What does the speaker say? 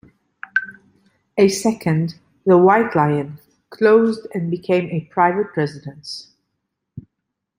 A second, the White Lion, closed and became a private residence.